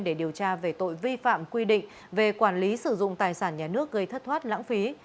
để điều tra về tội vi phạm quy định về quản lý sử dụng tài sản nhà nước gây thất thoát lãng phí